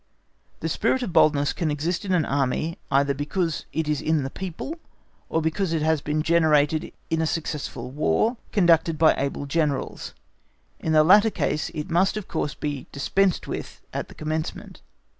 The spirit of boldness can exist in an Army, either because it is in the people, or because it has been generated in a successful War conducted by able Generals. In the latter case it must of course be dispensed with at the commencement.